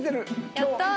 やったー！